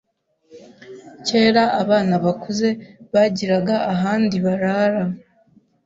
Kera abana bakuze bagiraga ahandi barara